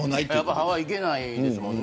ハワイも行けないですもんね。